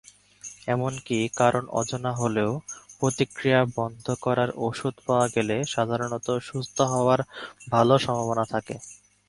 এমনকি কারণ অজানা হলেও, প্রতিক্রিয়া বন্ধ করার ওষুধ পাওয়া গেলে সাধারণতঃ সুস্থ হবার ভাল সম্ভাবনা থাকে।